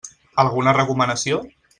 Alguna recomanació?